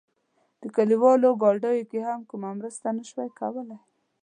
د کلیوالو ګاډیو هم کومه مرسته نه شوه کولای.